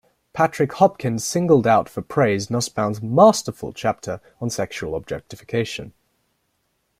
Patrick Hopkins singled out for praise Nussbaum's "masterful" chapter on sexual objectification.